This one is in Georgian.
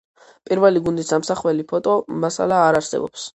პირველი გუნდის ამსახველი ფოტო–მასალა არ არსებობს.